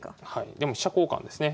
でも飛車交換ですね。